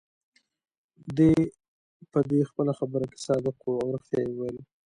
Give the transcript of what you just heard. دی په دې خپله خبره کې صادق وو، او ريښتیا يې ویل.